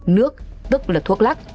nước tức là thuốc lắc